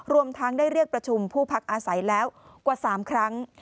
รวมทั้งได้เรียกประชุมผู้พักอาศัยแล้วกว่า๓ครั้ง